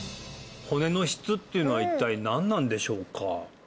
骨の質っていうのは一体何なんでしょうか？